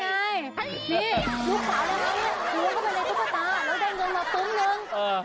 แล้วก็เดินกลงมาตรงเหมือน